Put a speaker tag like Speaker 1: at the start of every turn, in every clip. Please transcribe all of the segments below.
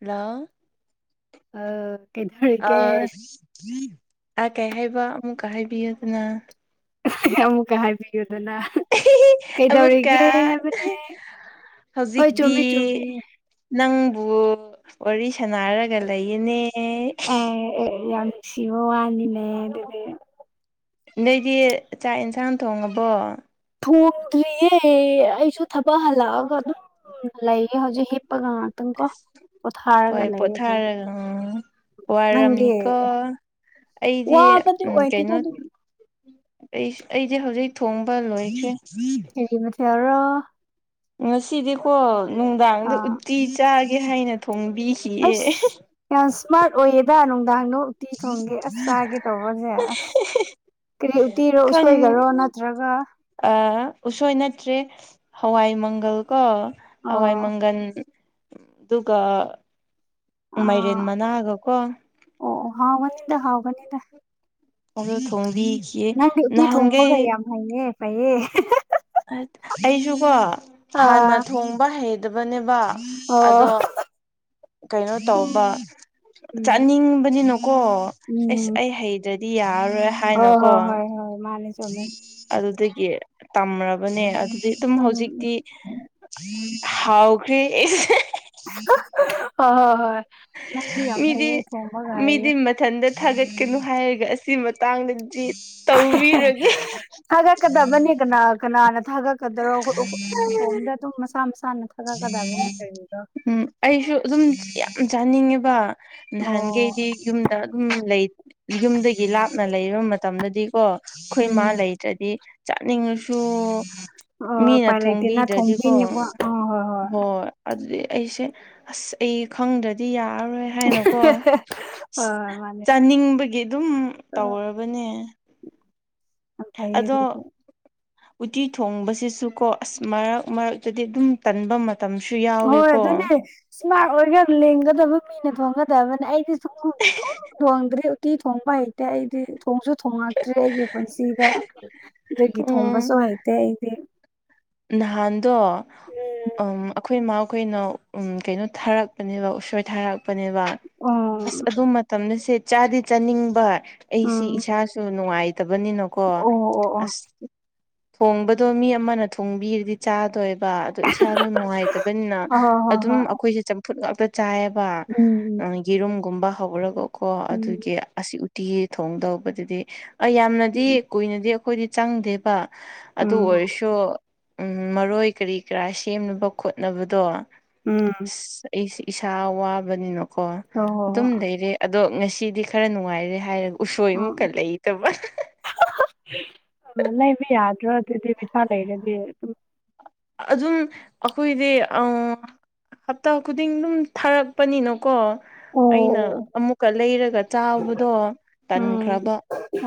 Speaker 1: Hello
Speaker 2: ꯑ ꯀꯩꯗꯧꯔꯤꯒꯦ
Speaker 1: ꯑꯁ ꯑꯥ ꯀꯩ ꯍꯥꯏꯕ ꯑꯃꯨꯛꯀ ꯍꯥꯏꯕꯤꯌꯨꯗꯅ
Speaker 2: ꯑꯃꯨꯛꯀ ꯍꯥꯏꯕꯤꯌꯨꯗꯅ
Speaker 1: ꯑꯃꯨꯛꯀ
Speaker 2: ꯀꯩꯗꯧꯔꯤꯒꯦ ꯍꯥꯏꯕꯅꯦ ꯍꯣꯏ
Speaker 1: ꯍꯧꯖꯤꯛꯇꯤ
Speaker 2: ꯆꯨꯝꯃꯦ ꯆꯨꯝꯃꯦ
Speaker 1: ꯅꯪꯕꯨ ꯋꯥꯔꯤ ꯁꯅꯥꯔꯒ ꯂꯩꯌꯦꯅꯦ
Speaker 2: ꯑꯦ ꯑꯦ ꯌꯥꯝ ꯅꯨꯡꯁꯤꯕ ꯋꯥꯅꯤꯅꯦ ꯑꯗꯨꯗꯤ
Speaker 1: ꯅꯣꯏꯗꯤ ꯆꯥꯛ ꯌꯦꯟꯁꯥꯡ ꯊꯣꯡꯉꯕꯣ
Speaker 2: ꯊꯣꯡꯗ꯭ꯔꯤꯌꯦ ꯑꯩꯁꯨ ꯊꯕꯛ ꯍꯜꯂꯛꯑꯒ ꯑꯗꯨꯝ ꯎꯝ ꯂꯩꯌꯦ ꯍꯧꯖꯤꯛ ꯍꯤꯞꯄꯒ ꯉꯥꯛꯇꯪ ꯀꯣ ꯄꯣꯊꯥꯔꯒ
Speaker 1: ꯍꯣꯏ
Speaker 2: ꯂꯩꯌꯦ ꯑꯩꯈꯣꯢꯁꯨ
Speaker 1: ꯄꯣꯊꯥꯔꯒ ꯎꯝ ꯋꯥꯔꯝꯅꯤꯀꯣ ꯑꯩꯗꯤ
Speaker 2: ꯋꯥꯕꯗꯤ ꯑꯣꯏꯗꯦꯗ
Speaker 1: ꯀꯩꯅꯣ
Speaker 2: ꯑꯗꯨꯝ
Speaker 1: ꯑꯩ ꯑꯩꯗꯤ ꯍꯧꯖꯤꯛ ꯊꯣꯡꯕ ꯂꯣꯏꯈ꯭ꯔꯦ
Speaker 2: ꯀꯔꯤ ꯃꯥꯊꯦꯜꯔꯣ
Speaker 1: ꯉꯁꯤꯗꯤꯀꯣ ꯅꯨꯡꯗꯥꯡꯗ
Speaker 2: ꯑꯥ
Speaker 1: ꯎꯇꯤ ꯆꯥꯒꯦ ꯍꯥꯏꯅ ꯊꯣꯡꯕꯤꯈꯤꯌꯦ
Speaker 2: ꯑꯁ ꯌꯥꯝ ꯏꯁꯃꯥꯔꯠ ꯑꯣꯏꯌꯦꯗ ꯅꯨꯡꯗꯥꯡꯗꯣ ꯎꯇꯤ ꯊꯣꯡꯒꯦ ꯑꯁ ꯆꯥꯒꯦ ꯇꯧꯕꯁꯦ ꯑꯁ ꯀꯔꯤ ꯎꯇꯤꯔꯣ
Speaker 1: ꯈꯪ
Speaker 2: ꯎꯁꯣꯏꯒꯔꯣ ꯅꯠꯇ꯭ꯔꯒ
Speaker 1: ꯑ ꯎꯁꯣꯏ ꯅꯠꯇ꯭ꯔꯦ ꯍꯋꯥꯏ ꯃꯪꯒꯜ ꯀꯣ ꯍꯋꯥꯏ
Speaker 2: ꯑ
Speaker 1: ꯃꯪꯒꯟ ꯑꯗꯨꯒ ꯃꯥꯏꯔꯦꯟ
Speaker 2: ꯑꯥ
Speaker 1: ꯃꯅꯥꯒ ꯀꯣ
Speaker 2: ꯑꯣ ꯍꯥꯎꯒꯅꯤꯗ ꯍꯥꯎꯒꯅꯤꯗ
Speaker 1: [unintelligible] ꯊꯣꯡꯕꯤ
Speaker 2: ꯅꯪꯗꯤ ꯎꯇꯤ ꯊꯣꯡꯕꯒ ꯌꯥꯝ ꯍꯩꯌ‌ꯦ ꯐꯩꯌꯦ
Speaker 1: ꯑꯩꯁꯨꯀꯣ ꯍꯥꯟꯅ
Speaker 2: ꯑꯥ
Speaker 1: ꯊꯣꯡꯕ ꯍꯩꯗꯕꯅꯦꯕ
Speaker 2: ꯑꯣ
Speaker 1: ꯑꯗꯣ ꯀꯩꯅꯣ ꯇꯧꯕ
Speaker 2: ꯎꯝ
Speaker 1: ꯆꯥꯅꯤꯡꯕꯅꯤꯅꯀꯣ ꯑꯩꯁ
Speaker 2: ꯎꯝ
Speaker 1: ꯑꯩ ꯍꯩꯗ꯭ꯔꯗꯤ ꯌꯥꯔꯔꯣꯏ
Speaker 2: ꯍꯣꯏ
Speaker 1: ꯍꯥꯏꯅꯀꯣ
Speaker 2: ꯍꯣꯏ ꯍꯣꯏ ꯍꯣꯏ ꯃꯥꯅꯦ ꯆꯨꯝꯃꯦ
Speaker 1: ꯑꯗꯨꯗꯒꯤ ꯇꯝꯔꯕꯅꯦ ꯑꯗꯨꯗꯤ ꯑꯗꯨꯝ
Speaker 2: ꯎꯝ
Speaker 1: ꯍꯧꯖꯤꯛꯇꯤ ꯍꯥꯎꯈ꯭ꯔꯤ
Speaker 2: ꯍ‌ꯣ ꯍ‌ꯣ ꯍꯣꯏ ꯅꯪꯗꯤ ꯌꯥꯝ ꯍꯩꯌ‌ꯦ ꯊꯣꯡꯕꯒ ꯍꯩꯌ‌ꯦ
Speaker 1: ꯏꯊꯟꯇ ꯊꯥꯒꯠꯀꯅꯨ ꯍꯥꯏꯔꯒ ꯑꯁꯤ ꯃꯇꯥꯡꯗꯗꯤ ꯇꯧꯕꯤꯔꯅꯤ
Speaker 2: ꯊꯥꯒꯠꯀꯗꯕꯅꯤ ꯀꯅꯥ ꯀꯅꯥꯅ ꯊꯥꯒꯠꯀꯗꯔꯣ ꯑꯈ‌‌ꯣ ꯑꯈ‌‌ꯣ ꯏꯇꯣꯝꯗ ꯗꯨꯝ ꯃꯁꯥ ꯃꯁꯥꯅ ꯊꯥꯒꯠꯀꯗꯕꯅꯤ ꯀꯩꯅꯣꯗꯣ
Speaker 1: ꯎꯝ ꯑꯩꯁꯨ ꯑꯗꯨꯝ ꯌꯥꯝ ꯆꯥꯅꯤꯡꯉꯦꯕ ꯅꯍꯥꯟꯈꯩꯗꯤ
Speaker 2: ꯑꯣ
Speaker 1: ꯌꯨꯝ ꯇꯥꯏ ꯑꯗꯨꯝ ꯂꯩ ꯌꯨꯝꯗꯒꯤ ꯂꯥꯞꯅ ꯂꯩꯕ ꯃꯇꯝꯗꯗꯤꯀꯣ ꯈꯣꯏ ꯃꯥ
Speaker 2: ꯎꯝ
Speaker 1: ꯂꯩꯇ꯭ꯔꯗꯤ ꯆꯥꯠꯅꯤꯡꯉꯁꯨ
Speaker 2: ꯑꯣ
Speaker 1: ꯃꯤꯅ
Speaker 2: ꯎꯄꯥꯏ ꯂꯩꯇꯦꯅ
Speaker 1: ꯊꯣꯡꯕꯤꯗ꯭ꯔꯗꯤꯀꯣ
Speaker 2: ꯊꯣꯡꯕꯤꯅꯦꯕ ꯑ ꯍꯣꯏ
Speaker 1: ꯍꯣꯏ ꯑꯗꯨꯗꯤ ꯑꯩꯁꯦ ꯑꯁ ꯑꯩ ꯈꯪꯗ꯭ꯔꯗꯤ ꯌꯥꯔꯔꯣꯏ ꯍꯥꯏꯅꯥꯀꯣ
Speaker 2: ꯍꯣꯏ ꯃꯥꯅꯦ
Speaker 1: ꯆꯥꯅꯤꯡꯕꯒꯤ ꯑꯗꯨꯝ
Speaker 2: ꯑꯥ
Speaker 1: ꯇꯧꯔꯕꯅꯦ
Speaker 2: ꯌꯥꯝ ꯐꯩꯌꯦ ꯑꯗꯨꯗꯤ
Speaker 1: ꯑꯗꯣ ꯎꯠꯇꯤ ꯊꯣꯡꯕꯁꯤꯁꯨꯀꯣ ꯑꯁ ꯃꯔꯛ ꯃꯔꯛꯇꯗꯤ ꯑꯗꯨꯝ ꯇꯟꯕ ꯃꯇꯝꯁꯨ ꯌꯥꯎꯋꯦꯀꯣ
Speaker 2: ꯏꯁꯃꯥ꯭ꯔꯠ ꯑꯣꯏꯒ ꯂꯦꯡꯒꯗꯕ ꯃꯤꯅ ꯊꯣꯡꯒꯗꯕꯅꯤ ꯑꯩꯗꯤ ꯁꯨꯡ ꯊꯣꯡ ꯊꯣꯡꯗ꯭ꯔꯤ ꯇꯤ ꯊꫭꯡꯕ ꯍꯩꯇꯦ ꯑꯩꯗꯤ ꯊꯣꯡꯁꯨ ꯊꯣꯉꯛꯇ꯭ꯔꯦ ꯑꯩꯒꯤ ꯄꯨꯟꯁꯤꯗ ꯗꯨꯒꯤ ꯊꯣꯡꯕꯁꯨ ꯍꯩꯇꯦ ꯑꯩꯗꯤ
Speaker 1: ꯅꯥꯍꯥꯟꯗꯣ
Speaker 2: ꯎꯝ
Speaker 1: ꯑꯩꯈꯣꯏ ꯃꯥꯈꯣꯏꯅ ꯎꯝ ꯀꯩꯅꯣ ꯊꯥꯔꯛꯄꯅꯦꯕ ꯎꯁꯣꯏ ꯊꯥꯔꯛ ꯄꯅꯦꯕ ꯑꯁ ꯑꯗꯨ ꯃꯇꯝꯗ ꯁꯦ ꯆꯥꯗꯤ ꯆꯥꯅꯤꯡꯕ ꯑꯩꯁꯤ
Speaker 2: ꯎꯝ ꯎꯝ
Speaker 1: ꯏꯁꯥꯁꯨ ꯅꯨꯡꯉꯥꯏꯇꯕꯅꯤꯅꯀꯣ
Speaker 2: ꯑꯣ ꯑꯣ ꯑꯣ
Speaker 1: ꯑꯁ ꯊꯣꯡꯕꯗꯣ ꯃꯤ ꯑꯃꯅ ꯊꯣꯡꯕꯤꯔꯗꯤ ꯆꯥꯗꯣꯏꯕ ꯑꯗꯣ ꯏꯁꯥꯗꯣ ꯅꯨꯡꯉꯥꯏꯇꯕꯅꯤꯅ
Speaker 2: ꯑ ꯍꯣ
Speaker 1: ꯑꯗꯨꯝ
Speaker 2: ꯍꯣꯏ
Speaker 1: ꯑꯩꯈꯣꯏꯁꯦ ꯆꯝꯐꯨꯠ ꯉꯥꯛꯇ ꯆꯥꯏꯑ‌ꯦꯕ ꯌꯦꯔꯨꯝꯒꯨꯝꯕ ꯍꯧꯔꯒꯀꯣ
Speaker 2: ꯍꯣꯏ ꯎꯝ ꯎꯝ
Speaker 1: ꯑꯗꯨꯒꯤ ꯑꯁꯤ ꯎꯇꯤ ꯊꯣꯡꯗꯧꯕꯗꯨꯗꯤ ꯑꯥ ꯌꯥꯝꯅꯗꯤ ꯀꯨꯏꯅꯗꯤ ꯑꯩꯈꯣꯏꯗꯤ ꯆꯪꯗꯦꯕ
Speaker 2: ꯎꯝ ꯎꯝ ꯎꯝ
Speaker 1: ꯑꯗꯨ ꯑꯣꯏꯔꯁꯨ ꯎꯝ ꯃꯔꯣꯏ ꯀꯔꯤ ꯀꯔꯥ ꯁꯦꯝꯅꯕ ꯈꯣꯠꯅꯕꯗꯣ
Speaker 2: ꯎꯝ
Speaker 1: ꯑꯩꯁꯦ ꯏꯁꯥ ꯋꯥꯕꯅꯤꯅꯀꯣ
Speaker 2: ꯍꯣ
Speaker 1: ꯗꯨꯝ ꯂꯩꯔꯦ ꯑꯗꯣ ꯉꯁꯤꯗꯤ ꯈꯔ ꯅꯨꯡꯉꯥꯏꯔꯦ ꯍꯥꯏꯔ ꯎꯁꯣꯏ
Speaker 2: ꯍꯣ
Speaker 1: ꯑꯃꯨꯛꯀ
Speaker 2: ꯍꯣꯏ
Speaker 1: ꯂꯩꯇꯕ
Speaker 2: ꯂꯩꯕ ꯌꯥꯗ꯭ꯔꯣ ꯑꯗꯨꯗꯤ ꯄꯩꯁꯥ ꯂꯩꯔꯗꯤ ꯗꯨꯝ
Speaker 1: ꯑꯗꯨꯝ ꯑꯩꯈꯣꯏꯗꯤ ꯑꯪ ꯍꯞꯇꯥꯡ ꯈꯨꯗꯤꯡ ꯗꯨꯝ ꯊꯥꯔꯛꯄꯅꯤꯅꯀꯣ ꯑꯩꯅ
Speaker 2: ꯑꯣ
Speaker 1: ꯑꯃꯨꯛꯀ ꯂꯩꯔꯒ ꯆꯥꯕꯗꯣ
Speaker 2: ꯎꯝ
Speaker 1: ꯇꯟꯈ꯭ꯔꯕ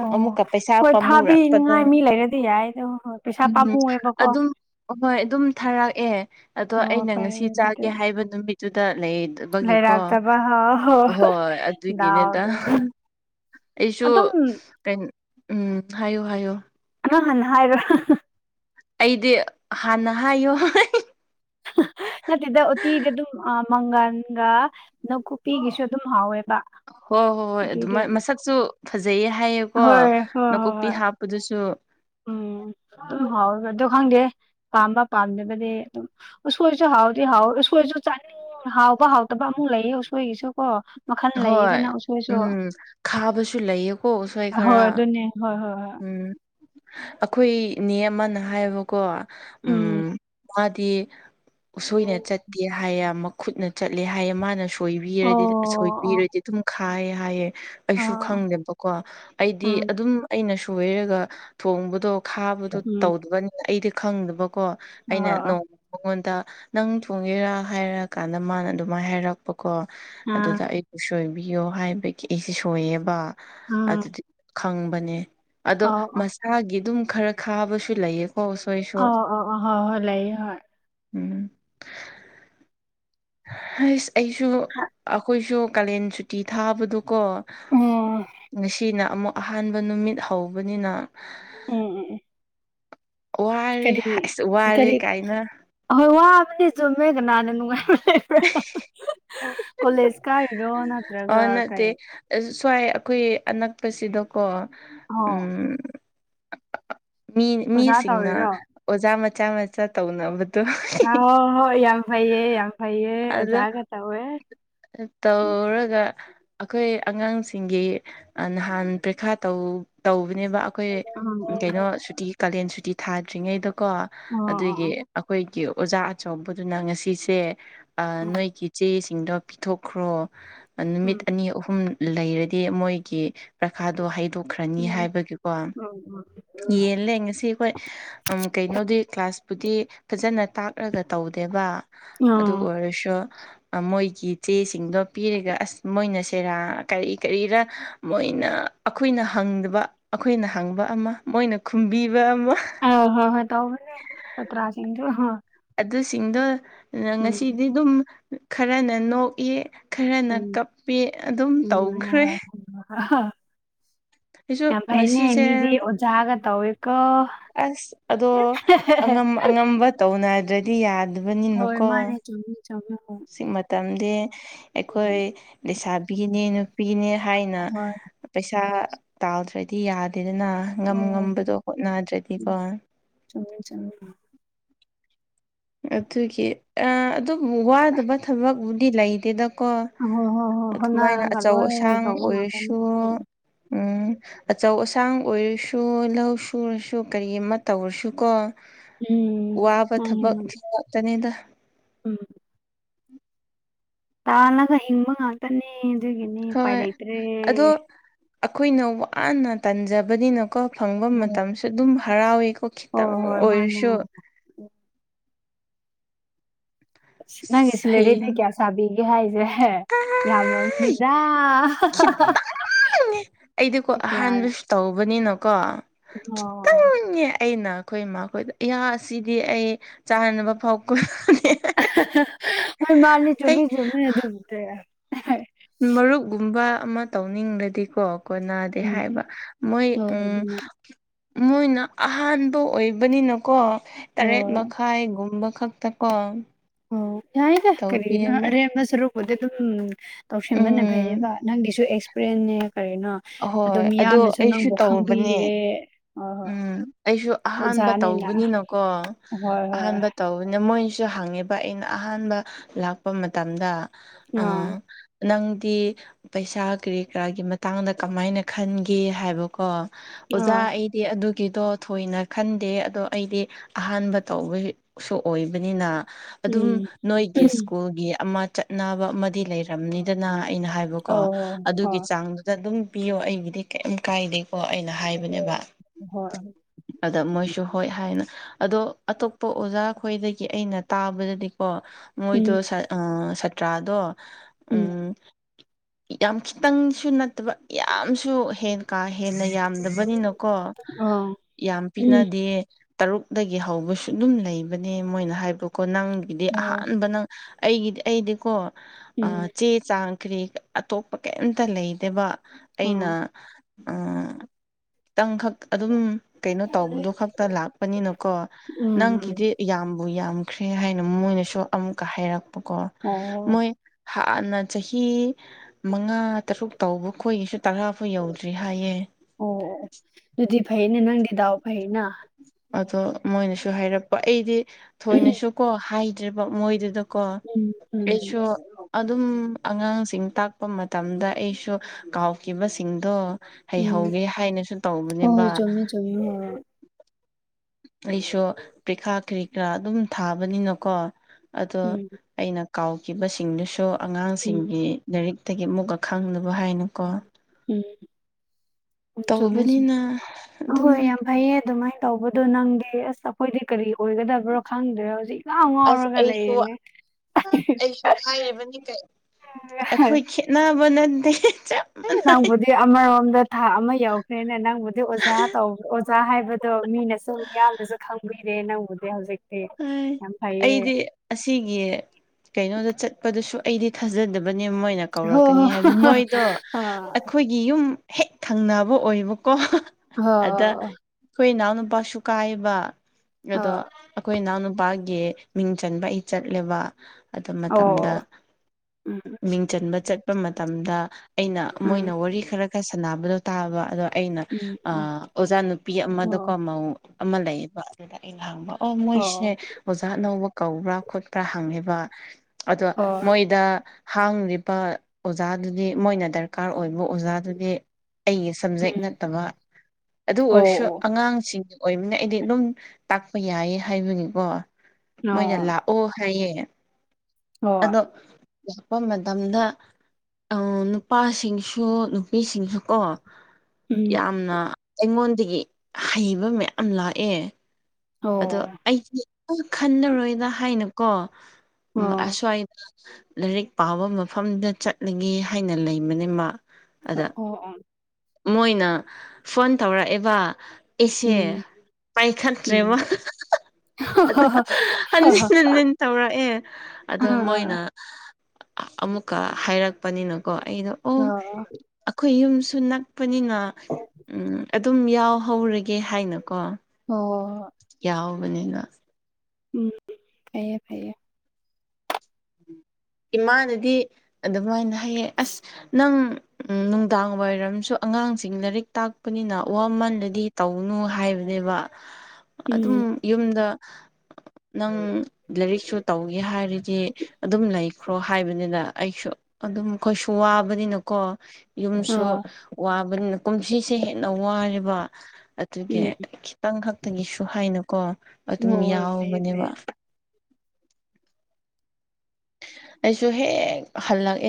Speaker 2: ꯑꯣ
Speaker 1: ꯑꯃꯨꯛꯀ ꯄꯩꯁꯥ
Speaker 2: ꯍꯣꯏ
Speaker 1: ꯄꯝꯃꯨꯔꯛꯄꯗ
Speaker 2: ꯊꯥꯕꯤꯅꯤꯉꯥꯏ ꯃꯤ ꯂꯩꯔꯗꯤ ꯌꯥꯏ ꯑꯗꯣ ꯍꯣꯏ ꯄꯩꯁꯥ
Speaker 1: ꯎꯝ
Speaker 2: ꯄꯥꯝꯃꯨꯑꯦꯕꯀꯣ
Speaker 1: ꯑꯗꯨꯝ ꯑꯍꯣꯏ ꯑꯗꯨꯝ ꯊꯥꯔꯛꯑꯦ ꯑꯗꯣ
Speaker 2: ꯍꯣꯏ ꯍꯣꯏ
Speaker 1: ꯑꯩꯅ
Speaker 2: ꯐꯔꯦ
Speaker 1: ꯉꯁꯤ
Speaker 2: ꯑꯗꯨꯗꯤ
Speaker 1: ꯆꯥꯒꯦ ꯍꯥꯏꯕ ꯅꯨꯃꯤꯠꯇꯨꯗ ꯂꯩꯗ ꯕꯒꯤ ꯀꯣ
Speaker 2: ꯂꯩꯔꯛꯇꯕ ꯍꯣꯏ ꯍꯣꯏ
Speaker 1: ꯑꯍꯣꯏ ꯑꯗꯨꯒꯤꯅꯦꯗ
Speaker 2: ꯗꯥꯎꯗꯣ
Speaker 1: ꯑꯩꯁꯨ
Speaker 2: ꯑꯗꯨꯝ
Speaker 1: ꯀꯩꯟ ꯎꯝ ꯍꯥꯏꯌꯨ ꯍꯥꯏꯌꯨ
Speaker 2: ꯅꯪ ꯍꯥꯟꯅ ꯍꯥꯏꯔꯣ
Speaker 1: ꯑꯩꯗꯤ ꯍꯥꯟꯅ ꯍꯥꯏꯌꯣ
Speaker 2: ꯅꯠꯇꯦꯗ ꯎꯇꯤꯗꯤ ꯗꯨꯝ ꯃꯪꯒꯟꯒ ꯅꯥꯀꯨꯞꯄꯤꯒꯤꯁꯨ ꯑꯗꯨꯝ ꯍꯥꯎꯋꯦꯕ
Speaker 1: ꯍꯣꯏ ꯍꯣꯏ ꯍꯣꯏ
Speaker 2: ꯑꯗꯨꯗꯤ
Speaker 1: ꯑꯗꯨꯃꯥꯏ ꯃꯁꯛꯁꯨ ꯐꯖꯩꯌꯦ ꯍꯥꯏꯌꯦꯀꯣ
Speaker 2: ꯍꯣꯏ ꯍꯣꯏ ꯍꯣꯏ ꯍꯣꯏ
Speaker 1: ꯅꯀꯣꯛꯇꯤ ꯍꯥꯞ ꯑꯗꯨꯁꯨ
Speaker 2: ꯎꯝ ꯑꯗꯨꯝ ꯍꯥꯎꯋꯦꯕ ꯑꯣ ꯈꯪꯗꯦ ꯄꯥꯝꯕ ꯄꯥꯝꯗꯕꯗꯤ ꯑꯗꯨꯝ ꯎꯁꯣꯏꯁꯨ ꯍꯥꯎꯗꯤ ꯍꯥꯎ ꯎꯁꯣꯏꯁꯨ ꯆꯥꯅꯤꯡꯉ ꯍꯥꯎꯕ ꯍꯥꯎꯇꯕ ꯑꯃꯨꯛ ꯂꯩꯌꯦ ꯎꯁꯣꯏꯒꯤꯁꯨ ꯀꯣ꯫ ꯃꯈꯜ ꯂꯩꯌꯦꯗꯅ
Speaker 1: ꯍꯣꯏ
Speaker 2: ꯎꯁꯣꯏꯁꯨ
Speaker 1: ꯎꯝ ꯈꯥꯕꯁꯨ ꯂꯩꯌꯦꯀꯣ ꯎꯁꯣꯏ
Speaker 2: ꯑꯍꯣꯏ
Speaker 1: ꯈꯔ
Speaker 2: ꯑꯗꯨꯅꯦ ꯍꯣꯏ ꯍꯣꯏ ꯍꯣꯏ꯫
Speaker 1: ꯎꯝ ꯑꯩꯈꯣꯏ ꯅꯦ ꯑꯃꯅ ꯍꯥꯏꯕꯀꯣ ꯎꯝ ꯃꯥꯗꯤ ꯎꯁꯣꯏꯅ ꯆꯠꯇꯦ ꯍꯥꯏꯌꯦ ꯃꯈꯨꯠꯅ ꯆꯠꯂꯦ ꯍꯥꯏꯌꯦ ꯃꯥꯅ ꯁꯣꯏꯕꯤꯔꯗꯤ ꯁꯣꯏꯕꯤꯔꯗꯤ ꯑꯗꯨꯝ ꯈꯥꯏ ꯍꯥꯏꯌꯦ꯫ ꯑꯩꯁꯨ ꯈꯪꯗꯦꯕꯀꯣ ꯑꯩꯗꯤ ꯑꯗꯨꯝ ꯑꯩꯅ ꯁꯣꯏꯔꯒ ꯊꯣꯡꯕꯗꯣ ꯈꯥꯕꯗꯣ ꯇꯧꯗꯕꯅꯤꯅ ꯑꯩꯗꯤ ꯈꯪꯗꯕꯀꯣ ꯑꯩꯅ ꯅꯣꯡ ꯃꯉꯣꯟꯗ ꯅꯪ ꯊꯣꯡꯒꯦꯔꯥ ꯍꯥꯏꯔ ꯀꯥꯟꯗ ꯃꯥꯅ ꯑꯗꯨꯃꯥꯏꯅ ꯍꯥꯏꯔꯛ ꯄꯀꯣ ꯑꯗꯨꯗ ꯑꯩꯁꯨ ꯁꯣꯏꯕꯤꯌꯣ ꯍꯥꯏꯕꯒꯤ ꯑꯩꯁꯦ ꯁꯣꯏꯌꯦꯕ ꯑꯗꯨꯗꯤ ꯈꯪꯕꯅꯦ ꯑꯗꯣ ꯃꯁꯥꯒꯤ ꯑꯗꯨꯝ ꯈꯔ ꯈꯥꯕꯁꯨ ꯂꯩꯌꯦ꯫ ꯑꯣ ꯎꯁꯣꯏꯁꯨ ꯎꯝ꯫ ꯍꯩꯁ ꯑꯩꯁꯨ ꯑꯩꯈꯣꯏꯁꯨ ꯀꯥꯂꯦꯟ ꯁꯨꯇꯤ ꯊꯥꯕꯗꯨ ꯀꯣ ꯉꯁꯤꯅ ꯑꯃꯨꯛ ꯑꯍꯥꯟꯕ ꯅꯨꯃꯤꯠ ꯍꯧꯕꯅꯤꯅ
Speaker 2: ꯎꯝ ꯎꯝ ꯎꯝ꯫
Speaker 1: ꯋꯥꯔꯦ ꯑꯁ ꯋꯥꯔꯦ ꯀꯥꯏꯅ꯫
Speaker 2: ꯑꯍꯣꯏ ꯋꯥꯕꯅꯦ ꯆꯨꯝꯃꯦ ꯀꯅꯥꯅ ꯅꯨꯡꯉꯥꯏꯔꯦ꯫ ꯀꯣꯂꯦꯖ ꯀꯥꯔꯤꯔꯣ
Speaker 1: ꯑ
Speaker 2: ꯅꯠꯇ꯭ꯔꯒ
Speaker 1: ꯅꯠꯇꯦ
Speaker 2: ꯀꯩ
Speaker 1: ꯁ꯭ꯋꯥꯏ ꯑꯩꯈꯣꯏ ꯑꯅꯛꯄꯁꯤꯗꯀꯣ
Speaker 2: ꯍꯣ,
Speaker 1: ꯎꯝ ꯃꯤ
Speaker 2: ꯑꯣꯖꯥ
Speaker 1: ꯃꯤꯁꯤꯡꯅ
Speaker 2: ꯇꯧꯔꯤꯔꯣ?
Speaker 1: ꯑꯣꯖꯥ ꯃꯆꯥ ꯃꯆꯥ ꯇꯧꯅꯕꯗꯣ
Speaker 2: ꯑꯣ ꯍꯣꯏ ꯌꯥꯝ ꯐꯩꯌꯦ ꯌꯥꯝ ꯐꯩꯌꯦ
Speaker 1: ꯑꯗꯣ
Speaker 2: ꯑꯣꯖꯥꯒ ꯇꯧꯋꯦ꯫ ꯎꯝ
Speaker 1: ꯇꯧꯔꯒ ꯑꯩꯈꯣꯏ ꯑꯉꯥꯡꯁꯤꯡꯒꯤ ꯑ ꯅꯍꯥꯟ ꯄ꯭ꯔꯤꯈꯥ ꯇꯧ ꯇꯧꯕꯅꯦꯕ ꯑꯩꯈꯣꯏ
Speaker 2: ꯎꯝ
Speaker 1: ꯀꯩꯅꯣ ꯁꯨꯇꯤ ꯀꯥꯂꯦꯟ ꯁꯨꯇꯤ ꯊꯥꯗ꯭ꯔꯤꯉꯩꯗꯀꯣ
Speaker 2: ꯎꯝ
Speaker 1: ꯑꯗꯨꯒꯤ
Speaker 2: ꯎꯝ
Speaker 1: ꯑꯩꯈꯣꯏꯒꯤ ꯑꯣꯖꯥ ꯑꯆꯧꯕꯗꯨꯅ ꯉꯁꯤꯁꯦ ꯑ
Speaker 2: ꯎꯝ
Speaker 1: ꯅꯣꯏꯒꯤ ꯆꯦꯁꯤꯡꯗꯣ ꯄꯤꯊꯣꯛꯈ꯭ꯔꯣ ꯅꯨꯃꯤꯠ
Speaker 2: ꯎꯝ
Speaker 1: ꯑꯅꯤ ꯑꯍꯨꯝ ꯂꯩꯔꯗꯤ ꯃꯣꯏꯒꯤ ꯄ꯭ꯔꯈꯥꯗꯣ ꯍꯥꯏꯗꯣꯛ ꯎꯈ꯭ꯔꯅꯤ
Speaker 2: ꯎꯝ
Speaker 1: ꯍꯥꯏꯕꯒꯤꯀꯣ
Speaker 2: ꯎꯝ ꯎꯝ
Speaker 1: ꯌꯦꯟꯂꯦ ꯉꯁꯤ ꯍꯣꯏ ꯑꯝ ꯀꯩꯅꯣꯗꯤ ꯀ꯭ꯂꯥꯁꯄꯨꯗꯤ ꯐꯖꯅ ꯇꯥꯛ ꯈꯔꯒ ꯇꯧꯗꯦꯕ
Speaker 2: ꯎꯝ
Speaker 1: ꯑꯗꯨ
Speaker 2: ꯎꯝ
Speaker 1: ꯑꯣꯏꯔꯁꯨ ꯃꯣꯏꯒꯤ ꯆꯦꯁꯤꯡꯗꯣ ꯄꯤꯔꯒ ꯑꯁ ꯃꯣꯏꯅ ꯁꯦꯔꯥ ꯀꯔꯤ ꯀꯔꯤꯔ ꯃꯣꯏꯅ ꯑꯩꯈꯣꯏꯅ ꯍꯪꯗꯕ ꯑꯩꯈꯣꯏꯅ ꯍꯪꯕ ꯑꯃ ꯃꯣꯏꯅ ꯈꯨꯝꯕꯤꯕ ꯑꯃ
Speaker 2: ꯍꯣ ꯍꯣ ꯍꯣꯏ ꯇꯧꯕꯅꯦ ꯁꯥꯇ꯭ꯔꯁꯤꯡꯗꯣ
Speaker 1: ꯑꯗꯨꯁꯤꯡꯗꯣ ꯉꯁꯤꯗꯤ ꯑꯗꯨꯝ ꯈꯔꯅ ꯅꯣꯛꯏ ꯈꯔꯅ
Speaker 2: ꯎꯝ
Speaker 1: ꯀꯞꯄꯤ ꯑꯗꯨꯝ ꯇꯧꯈ꯭ꯔꯦ꯫
Speaker 2: ꯎꯝ
Speaker 1: ꯑꯩꯁꯨ
Speaker 2: ꯌꯥꯝ ꯐꯥꯏꯅꯦ
Speaker 1: ꯉꯁꯤꯁꯦ
Speaker 2: ꯃꯤꯃꯤꯗꯤ ꯑꯣꯖꯥꯒ ꯇꯧꯋꯤꯀꯣ꯫
Speaker 1: ꯑꯁ ꯑꯗꯣ ꯑꯉꯝ ꯑꯉꯝꯕ ꯇꯧꯅꯗ꯭ꯔꯗꯤ ꯌꯥꯗꯕꯅꯤꯅꯀꯣ꯫
Speaker 2: ꯆꯨꯃꯤ ꯆꯨꯃꯦ ꯍꯣꯏ꯫
Speaker 1: ꯍꯧꯖꯤꯛ ꯃꯇꯝꯗꯤ ꯑꯩꯈꯣꯏ
Speaker 2: ꯎꯝ
Speaker 1: ꯂꯩꯁꯥꯕꯤꯅꯦ ꯅꯨꯄꯤꯅꯦ ꯍꯥꯏꯅ
Speaker 2: ꯍꯣꯏ ꯍꯣꯏ
Speaker 1: ꯄꯩꯁꯥ ꯇꯥꯜꯗ꯭ꯔꯗꯤ ꯌꯥꯗꯦꯗꯅ ꯉꯝ
Speaker 2: ꯍꯣꯏ
Speaker 1: ꯉꯝꯕꯗꯣ ꯍꯣꯠꯅꯗ꯭ꯔꯗꯤꯀꯣ꯫
Speaker 2: ꯎꯝ, ꯆꯨꯝꯃꯤ ꯆꯨꯝꯃꯤ ꯎꯝ꯫
Speaker 1: ꯑꯗꯨꯒꯤ ꯑꯥ ꯑꯗꯨꯕꯨ ꯋꯥꯗꯕ ꯊꯕꯛꯕꯨꯗꯤ ꯂꯩꯇꯦꯗ ꯀꯣ
Speaker 2: ꯍꯣꯏ ꯍꯣꯏ ꯍꯣꯏ
Speaker 1: ꯑꯗꯨꯃꯥꯏꯅ
Speaker 2: ꯍꯣꯠꯅꯔꯒ
Speaker 1: ꯑꯆꯧ
Speaker 2: ꯂꯣꯏ
Speaker 1: ꯑꯁꯥꯡ
Speaker 2: ꯇꯧꯕ ꯉꯥꯛꯇꯅꯤ
Speaker 1: ꯑꯣꯏꯔꯁꯨ ꯎꯝ ꯑꯆꯧ ꯑꯁꯥꯡ ꯑꯣꯏꯔꯁꯨ ꯂꯧ ꯁꯨꯔꯁꯨ ꯀꯔꯤ ꯑꯃ ꯇꯧꯔꯁꯨꯀꯣ꯫
Speaker 2: ꯎꯝ
Speaker 1: ꯋꯥꯕ
Speaker 2: ꯃꯥꯅꯦ
Speaker 1: ꯊꯕꯛ
Speaker 2: ꯃꯥꯅꯦ
Speaker 1: ꯉꯥꯛꯇꯅꯤꯗ
Speaker 2: ꯎꯝ ꯇꯥꯜꯂꯒ ꯍꯤꯡꯕ ꯉꯥꯛꯇꯅꯦ ꯑꯗꯨꯒꯤꯅꯦ ꯎꯄꯥꯏ
Speaker 1: ꯍꯣꯏ
Speaker 2: ꯂꯩꯇ꯭ꯔꯦ
Speaker 1: ꯑꯗꯣ ꯑꯩꯈꯣꯏꯅ ꯋꯥꯅ ꯇꯥꯟꯖꯕꯅꯤꯅꯀꯣ ꯐꯪꯕ
Speaker 2: ꯍꯣꯏ
Speaker 1: ꯃꯇꯝꯁꯨ ꯑꯗꯨꯝ ꯍꯔꯥꯎꯋꯦꯀꯣ
Speaker 2: ꯍꯣꯏ
Speaker 1: ꯈꯤꯠꯇꯪ
Speaker 2: ꯍꯣꯏ ꯃꯥꯅꯦ
Speaker 1: ꯑꯣꯏꯔꯁꯨ
Speaker 2: ꯅꯪꯒꯤ ꯁꯦꯂꯦꯔꯤꯗꯤ
Speaker 1: ꯍꯌꯦꯡ
Speaker 2: ꯀꯌꯥ ꯁꯥꯕꯤꯒꯦ ꯍꯥꯏꯖꯦ
Speaker 1: ꯑꯩ
Speaker 2: ꯌꯥꯃꯝꯅꯤꯗ
Speaker 1: ꯈꯤꯇꯪꯅꯦ ꯑꯩꯗꯤꯀꯣ ꯑꯍꯥꯟꯕꯁꯨ ꯇꯧꯕꯅꯤꯅꯀꯣ ꯈꯤꯠꯇꯪꯗꯤ ꯑꯩꯅ ꯑꯩꯈꯣꯏ ꯏꯃꯥꯈꯣꯏꯗ ꯏꯌꯥ ꯑꯁꯤꯗꯤ ꯑꯩ ꯆꯥꯅꯕ ꯐꯥꯎ ꯀꯣꯟꯅꯗꯦ
Speaker 2: ꯍꯣꯏ ꯃꯥꯅꯤ
Speaker 1: ꯑꯩ
Speaker 2: ꯆꯨꯝꯃꯤ ꯆꯨꯝꯃꯤ ꯑꯗꯨꯝꯗꯤ
Speaker 1: ꯃꯔꯨꯞꯒꯨꯝꯕ ꯑꯃꯥ ꯇꯧꯅꯤꯡꯂꯗꯤꯀꯣ ꯀꯣꯟꯅꯗꯦ
Speaker 2: ꯎꯝ
Speaker 1: ꯍꯥꯏꯕ ꯃꯣꯏ
Speaker 2: ꯍꯣꯏ
Speaker 1: ꯎꯝ
Speaker 2: ꯑꯗꯨꯅ
Speaker 1: ꯃꯣꯏꯅ ꯑꯍꯥꯟꯕ ꯑꯣꯏꯕꯅꯤꯅꯀꯣ
Speaker 2: ꯑꯣ
Speaker 1: ꯇꯔꯦꯠ ꯃꯈꯥꯏꯒꯨꯝꯕ ꯈꯛꯇꯀꯣ
Speaker 2: ꯑꯣ ꯌꯥꯔꯦꯗ ꯀꯔꯤꯅꯣ ꯑꯔꯦꯝꯕ ꯁꯔꯨꯛ ꯗꯨ ꯑꯗꯨꯝ ꯇꯧꯁꯤꯟꯕꯅꯦ
Speaker 1: ꯎꯝ
Speaker 2: ꯐꯩꯌꯦꯕ ꯅꯪꯒꯤꯁꯨ ꯑꯦꯛꯁꯄꯔꯦꯟꯅꯦ ꯀꯔꯤꯅꯣ
Speaker 1: ꯑꯍꯣꯏ
Speaker 2: ꯑꯗꯨꯝ
Speaker 1: ꯑꯗꯣ
Speaker 2: ꯌꯥꯝꯅꯁꯨ
Speaker 1: ꯑꯩꯁꯨ
Speaker 2: ꯅꯪꯕꯨ
Speaker 1: ꯇꯧꯕꯅꯦ
Speaker 2: ꯈꯪꯕꯤꯔꯦ ꯍꯣꯏ ꯍꯣꯏ
Speaker 1: ꯎꯝ ꯑꯩꯁꯨ ꯑꯍꯥꯟꯕ
Speaker 2: ꯑꯣꯖꯥꯅꯤꯅ
Speaker 1: ꯇꯧꯕꯅꯤꯅꯀꯣ
Speaker 2: ꯍꯣꯏ ꯍꯣꯏ
Speaker 1: ꯑꯍꯥꯟꯕ ꯇꯧꯕꯅꯤꯅ ꯃꯣꯏꯅꯁꯨ ꯍꯪꯡꯉꯦꯕ ꯑꯩꯅ ꯑꯍꯥꯟꯕ ꯂꯥꯛꯄ ꯃꯇꯝꯗ ꯑ
Speaker 2: ꯑꯥ
Speaker 1: ꯅꯪꯗꯤ ꯄꯩꯁꯥ ꯀꯔꯤ ꯀꯔꯥꯒꯤ ꯃꯇꯥꯡꯗ ꯀꯃꯥꯏꯅ ꯈꯟꯒꯦ ꯍꯥꯏꯕꯀꯣ ꯑꯣꯖꯥ
Speaker 2: ꯑꯥ
Speaker 1: ꯑꯩꯗꯤ ꯑꯗꯨꯒꯤꯗꯣ ꯊꯣꯏꯅ ꯈꯟꯗꯦ ꯑꯗꯣ ꯑꯩꯗꯤ ꯑꯍꯥꯟꯕ ꯇꯧꯕ ꯎꯁꯣꯞ ꯑꯣꯏꯕꯅꯤꯅ ꯑꯗꯨꯝ
Speaker 2: ꯎꯝ
Speaker 1: ꯅꯣꯏꯒꯤ ꯁ꯭ꯀꯨꯜꯒꯤ ꯑꯃꯥ ꯆꯠꯅꯕ ꯑꯃꯥꯗꯤ ꯂꯩꯔꯝꯅꯤꯗꯅ ꯑꯩꯅ ꯍꯥꯏ ꯀꯣ
Speaker 2: ꯑꯣ
Speaker 1: ꯑꯗꯨꯒꯤ
Speaker 2: ꯍꯣꯏ
Speaker 1: ꯆꯥꯡ ꯗꯥ ꯑꯗꯨꯝ ꯄꯤꯌꯣ ꯑꯩꯒꯤꯗꯤ ꯀꯩꯝ ꯀꯥꯏꯗꯦꯀꯣ ꯑꯩꯅ
Speaker 2: ꯍꯣꯏ
Speaker 1: ꯍꯥꯏꯕꯅꯦꯕ
Speaker 2: ꯍꯣꯏ
Speaker 1: ꯑꯗꯥ ꯃꯣꯏꯁꯨ ꯍꯣꯏ ꯍꯥꯏꯅ ꯑꯗꯣ ꯑꯇꯣꯞꯄ ꯑꯣꯖꯥ ꯈꯣꯏꯗꯒꯤ ꯑꯩꯅ ꯇꯥꯕꯗꯗꯤꯀꯣ
Speaker 2: ꯎꯝ
Speaker 1: ꯃꯣꯏꯗꯣ ꯁꯥ ꯑꯥ ꯁꯥꯇ꯭ꯔꯥꯗꯣ ꯎꯝ ꯌꯥꯝ ꯈꯤꯠꯇꯪꯁꯨ ꯅꯠꯇꯕ ꯌꯥꯝꯁꯨ ꯍꯦꯟ ꯀꯥ ꯍꯦꯟꯅ ꯌꯥꯝ ꯉꯝꯗꯕꯅꯤꯅꯀꯣ
Speaker 2: ꯑ
Speaker 1: ꯌꯥꯝ
Speaker 2: ꯎꯝ
Speaker 1: ꯄꯤꯅꯗꯦ ꯇꯔꯨꯛꯇꯒꯤ ꯍꯧꯕꯁꯨ ꯑꯗꯨꯝ ꯂꯩꯕꯅꯦ ꯃꯣꯏꯅ ꯍꯥꯏꯕꯀꯣ ꯅꯪꯒꯤꯗꯤ ꯑꯍꯥꯟꯕ ꯅꯪ ꯑꯩꯒꯤꯗꯤ ꯑꯩꯗꯤꯀꯣ ꯑ
Speaker 2: ꯎꯝ
Speaker 1: ꯆꯦ ꯆꯥꯡ ꯀꯔꯤ ꯑꯇꯣꯞꯄ ꯀꯩꯝꯇ ꯂꯩꯇꯦꯕ ꯑꯩꯅ
Speaker 2: ꯑ
Speaker 1: ꯑꯥ ꯇꯪꯈꯛ ꯑꯗꯨꯝ ꯀꯩꯅꯣ ꯇꯧꯕꯗꯨꯣ ꯈꯛꯇ ꯂꯥꯛꯄꯅꯤꯅꯀꯣ ꯅꯪꯒꯤꯗꯤ
Speaker 2: ꯎꯝ
Speaker 1: ꯌꯥꯝ ꯌꯥꯝꯈ꯭ꯔꯦ ꯍꯥꯏꯅ ꯃꯣꯏꯅꯁꯨ ꯑꯃꯨꯛꯀ ꯍꯥꯏꯔꯛꯄꯀꯣ
Speaker 2: ꯑꯣ
Speaker 1: ꯃꯣꯏ ꯍꯥꯟꯅ ꯆꯥꯍꯤ ꯃꯉꯥ ꯇꯔꯨꯛ ꯇꯧꯕ ꯈꯣꯏꯒꯤꯁꯨ ꯇꯔꯥ ꯌꯨꯗ꯭ꯔꯤ ꯍꯥꯏꯌꯦ
Speaker 2: ꯑꯣ ꯑꯣ ꯑꯗꯨꯗꯤ ꯐꯩꯅꯦ ꯅꯪꯗꯤ ꯗꯥꯎ ꯐꯩꯅ
Speaker 1: ꯑꯗꯣ ꯃꯣꯏꯅꯁꯨ ꯍꯥꯏꯔꯛꯄ ꯑꯩꯗꯤ ꯊꯣꯏꯅꯁꯨ ꯀꯣ ꯍꯥꯏꯗ꯭ꯔꯦꯕ ꯃꯣꯏꯗꯨꯗ ꯀꯣ
Speaker 2: ꯎꯝ ꯎꯝ
Speaker 1: ꯑꯩꯁꯨ ꯑꯗꯨꯝ ꯑꯉꯥꯡꯁꯤꯡ ꯇꯥꯛꯄ ꯃꯇꯝꯗ ꯑꯩꯁꯨ ꯀꯥꯎꯈꯤꯕꯁꯤꯡꯗꯣ
Speaker 2: ꯎꯝ
Speaker 1: ꯍꯩꯍꯧꯒꯦ ꯍꯥꯏꯅꯁꯨ ꯇꯧꯕꯅꯦꯕ
Speaker 2: ꯍꯣꯏ [unintelligible]
Speaker 1: ꯑꯩꯁꯨ ꯄ꯭ꯔꯤꯈꯥ ꯀꯔꯤ ꯀꯔꯥ ꯑꯗꯨꯝ ꯊꯥꯕꯅꯤꯅꯀꯣ ꯑꯗꯣ
Speaker 2: ꯎꯝ
Speaker 1: ꯑꯩꯅ ꯀꯥꯎꯈꯤꯕꯁꯤꯡꯗꯨꯁꯨ
Speaker 2: ꯎꯝ ꯎꯝ
Speaker 1: ꯑꯉꯥꯡꯁꯤꯡꯒꯤ ꯂꯥꯏꯔꯤꯛꯇꯒꯤ ꯑꯃꯨꯛꯀ ꯈꯪꯅꯕ ꯍꯥꯏꯅ ꯀꯣ
Speaker 2: ꯎꯝ, ꯆꯨꯝꯃꯦ ꯆꯨꯝꯃꯦ
Speaker 1: ꯇꯧꯕꯅꯤꯅ ꯑꯗꯨꯝ
Speaker 2: ꯑꯍꯣꯏ ꯌꯥꯝ ꯐꯩꯌꯦ ꯑꯗꯨꯃꯥꯏꯟ ꯇꯧꯕꯗꯣ ꯅꯪꯗꯤ ꯑꯁ ꯑꯩꯈꯣꯏꯗꯤ ꯀꯔꯤ ꯑꯣꯏꯒꯗꯕ꯭ꯔꯣ ꯈꯪꯗ꯭ꯔꯦ ꯍꯧꯖꯤꯛ ꯉꯥꯎ
Speaker 1: ꯑꯁ
Speaker 2: ꯉꯥꯎꯔꯒ
Speaker 1: ꯑꯩꯁꯨ
Speaker 2: ꯂꯩꯔꯅꯦ
Speaker 1: ꯑꯩꯁꯨ
Speaker 2: ꯎꯝ ꯍꯥꯏ
Speaker 1: ꯅꯥꯕꯅꯗꯦ ꯆꯞ
Speaker 2: ꯑꯦ ꯅꯪꯕꯨꯗꯤ ꯑꯃꯔꯣꯝꯗ ꯊꯥ ꯑꯃ ꯌꯥꯎꯈ꯭ꯔꯦꯅ ꯅꯪꯕꯨꯗꯤ ꯑꯣꯖꯥ ꯇꯧ ꯆꯥ ꯍꯥꯏꯕꯗꯣ ꯃꯤꯅꯁꯨ ꯃꯤꯌꯥꯝꯅꯁꯨ ꯈꯪꯕꯤꯔꯦ ꯅꯪꯕꯨꯗꯤ ꯍꯧꯖꯤꯛꯇꯤ
Speaker 1: ꯍꯣꯏ
Speaker 2: ꯌꯥꯝ ꯐꯩꯌꯦ
Speaker 1: ꯑꯩꯗꯤ ꯑꯁꯤꯒꯤ ꯀꯩꯅꯣꯗ ꯆꯠꯄꯗꯨꯁꯨ ꯑꯩꯗꯤ ꯊꯥꯖꯗꯕꯅꯦ ꯃꯣꯏꯅ
Speaker 2: ꯍꯣ
Speaker 1: ꯀꯧꯔꯛꯀꯅꯤ ꯍꯥꯏꯕꯗꯣ ꯃꯣꯏꯗꯣ
Speaker 2: ꯍꯣ
Speaker 1: ꯑꯩꯈꯣꯏ ꯒꯤ ꯌꯨꯝ ꯍꯦꯛ ꯊꯪꯅꯕ ꯑꯣꯏꯕꯀꯣ
Speaker 2: ꯍꯣ
Speaker 1: ꯑꯗ
Speaker 2: ꯍꯣ
Speaker 1: ꯑꯩꯈꯣꯏ ꯏꯅꯥꯎꯅꯨꯄꯥꯁꯨ ꯀꯥꯏꯕ
Speaker 2: ꯍꯣ
Speaker 1: ꯑꯗꯣ ꯑꯩꯈꯣꯏ ꯏꯅꯥꯎꯅꯨꯄꯥꯒꯤ ꯃꯤꯡ ꯆꯟꯕ ꯑꯩ ꯆꯠꯂꯦꯕ ꯑꯗꯨ ꯃꯇꯝꯗ
Speaker 2: ꯍꯣ ꯍꯣ ꯑꯣ ꯎꯝ
Speaker 1: ꯃꯤꯡ ꯆꯟꯕ ꯆꯠꯄ ꯃꯇꯝꯗ ꯑꯩꯅ ꯃꯣꯏꯅ
Speaker 2: ꯎꯝ
Speaker 1: ꯋꯥꯔꯤ ꯈꯔ ꯁꯥꯅꯕꯗꯣ ꯇꯥꯕ ꯑꯗꯣ ꯑꯩꯅ ꯑ
Speaker 2: ꯎꯝ
Speaker 1: ꯑꯣꯖꯥ ꯅꯨꯄꯤ ꯑꯃꯗꯀꯣ
Speaker 2: ꯑꯣ
Speaker 1: ꯃꯧ ꯑꯃ ꯂꯩꯌꯦꯕ ꯑꯗꯨꯗ ꯑꯩ ꯂꯥꯡꯕ ꯑꯣ ꯃꯣꯏꯁꯦ ꯑꯣꯖꯥ ꯑꯅꯧꯕ ꯀꯧꯕ꯭ꯔꯥ ꯈꯣꯠꯄ꯭ꯔꯥ ꯍꯪꯉꯦꯕ ꯑꯗꯣ
Speaker 2: ꯑꯣ
Speaker 1: ꯃꯣꯏꯗ ꯍꯥꯡꯂꯤꯕ ꯑꯣꯖꯥꯗꯨꯗꯤ ꯃꯣꯏꯅ ꯗꯔꯀꯥꯔ ꯑꯣꯏꯕ ꯑꯣꯖꯥꯗꯨꯗꯤ ꯑꯩꯒꯤ ꯁꯞꯖꯦꯛ
Speaker 2: ꯎꯝ
Speaker 1: ꯅꯠꯇꯕ ꯑꯗꯨ ꯑꯣꯏꯔꯁꯨ
Speaker 2: ꯑꯣ
Speaker 1: ꯑꯉꯥꯡꯁꯤꯡ ꯑꯣꯏꯕꯅ ꯑꯩꯗꯤ ꯑꯗꯨꯝ ꯇꯥꯛꯄ ꯌꯥꯏꯌꯦ ꯍꯥꯏꯕꯅꯤꯀꯣ ꯃꯣꯏꯅ ꯂꯥꯛꯑꯣ ꯍꯥꯏꯌꯦ
Speaker 2: ꯑꯣ ꯑꯣ ꯑꯣ
Speaker 1: ꯑꯗꯣ ꯂꯥꯛꯄ ꯃꯇꯝꯗ ꯑꯣ ꯅꯨꯄꯥꯁꯤꯡꯁꯨ ꯅꯨꯄꯤꯁꯤꯡꯁꯨ ꯀꯣ
Speaker 2: ꯎꯝ
Speaker 1: ꯌꯥꯝꯅ ꯑꯩꯉꯣꯟꯗꯒꯤ ꯍꯩꯕ ꯃꯌꯥꯝ ꯂꯥꯛꯑꯦ ꯑꯗꯣ
Speaker 2: ꯑꯣ
Speaker 1: ꯑꯩꯗꯤ ꯈꯟꯅꯔꯣꯏꯗ ꯍꯥꯏꯅꯀꯣ ꯎꯝ ꯑꯁ꯭ꯋꯥꯏ ꯂꯥꯏꯔꯤꯛ ꯄꯥꯕ ꯃꯐꯝꯗ ꯆꯠꯂꯒꯦ ꯍꯥꯏꯅ ꯂꯩꯕꯅꯤ ꯃꯥ
Speaker 2: ꯑꯣ
Speaker 1: ꯑꯗ
Speaker 2: ꯑꯣ ꯑꯣ
Speaker 1: ꯃꯣꯏꯅ ꯐꯣꯟ ꯇꯧꯔꯛꯑꯦꯕ ꯑꯩꯁꯦ
Speaker 2: ꯎꯝ
Speaker 1: ꯄꯥꯏꯈꯠꯇ꯭ꯔꯦꯕ
Speaker 2: ꯎꯝ
Speaker 1: ꯍꯟꯖꯤꯟ
Speaker 2: ꯑꯥ
Speaker 1: ꯍꯟꯖꯤꯟ ꯇꯧꯔꯛꯑꯦ ꯑꯗꯣ ꯃꯣꯏꯅ
Speaker 2: ꯑꯥ
Speaker 1: ꯑꯃꯨꯛꯀ ꯍꯥꯏꯔꯛꯄꯅꯤꯅꯀꯣ ꯑꯩꯗꯣ ꯑꯣ
Speaker 2: ꯑ
Speaker 1: ꯑꯩꯈꯣꯏ ꯌꯨꯝꯁꯨ ꯅꯛꯄꯅꯤꯅ ꯑꯗꯨꯝ ꯌꯥꯎꯍꯧꯔꯒꯦ ꯍꯥꯏꯅꯀꯣ
Speaker 2: ꯑꯣ
Speaker 1: ꯌꯥꯎꯕꯅꯤꯗ
Speaker 2: ꯎꯝ ꯎꯝ ꯐꯩꯌꯦ ꯐꯌꯦ
Speaker 1: ꯏꯃꯥꯅꯗꯤ ꯑꯗꯨꯃꯥꯏꯅ ꯍꯥꯏꯌꯦ ꯑꯁ ꯅꯪ ꯅꯨꯡꯗꯥꯡ ꯋꯥꯏꯔꯝꯁꯨ ꯑꯉꯥꯡꯁꯤꯡ ꯂꯥꯏꯔꯤꯛ ꯇꯥꯛꯄꯅꯤꯅ ꯋꯥꯃꯟꯔꯗꯤ ꯇꯧꯒꯅꯨ ꯍꯥꯏꯕꯅꯦꯕ
Speaker 2: ꯎꯝ
Speaker 1: ꯑꯗꯨꯝ ꯌꯨꯝꯗ ꯅꯪ ꯂꯥꯏꯔꯤꯛꯁꯨ ꯇꯧꯒꯦ ꯍꯥꯏꯔꯗꯤ ꯑꯗꯨꯝ ꯂꯩ ꯍꯥꯏꯕꯅꯤꯅ ꯑꯩꯁꯨ ꯑꯗꯨꯝ ꯑꯩꯈꯣꯏꯁꯨ ꯋꯥꯕꯅꯤꯅꯀꯣ ꯌꯨꯝꯁꯨ
Speaker 2: ꯑꯥ
Speaker 1: ꯋꯥꯕ ꯕꯅꯤꯅ ꯀꯨꯝꯁꯤꯁꯦ ꯍꯦꯟꯅ ꯋꯥꯔꯦꯕ ꯑꯗꯨꯒꯤ
Speaker 2: ꯎꯝ
Speaker 1: ꯈꯤꯇꯪ ꯈꯛꯇꯒꯤꯁꯨ ꯍꯥꯏꯅꯀꯣ
Speaker 2: ꯍꯣꯏ
Speaker 1: ꯑꯗꯨꯝ
Speaker 2: ꯍꯣꯏ ꯐꯩꯌꯦ ꯐꯩꯌꯦ
Speaker 1: ꯌꯥꯎꯕꯅꯦꯕ ꯑꯩꯁꯨ ꯍꯦꯛ ꯍꯜꯂꯛꯑꯦꯗꯅ